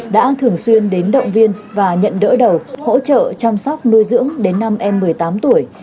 đã thường xuyên đến động viên và nhận đỡ đầu hỗ trợ chăm sóc nuôi dưỡng đến năm em một mươi tám tuổi